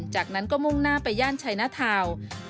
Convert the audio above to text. จากนั้นก็มุ่งหน้าไปย่านชัยหน้าทาวน์